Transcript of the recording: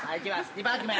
２パック目。